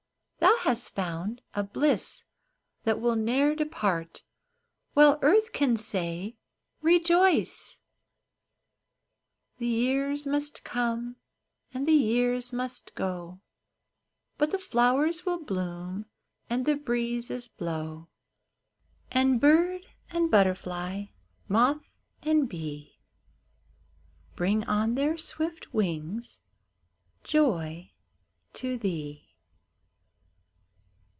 Thou hast found a bliss that will ne'er depart While earth can say, " Rejoice !" The years must come, and the years must go ; But the flowers will bloom, and the breezes blow. And bird and butterfly, moth and bee, Bring on their swift wings joy to thee